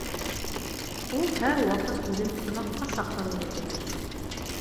Ул һәр ваҡыт үҙен ҡунаҡҡа саҡырыуҙы теләй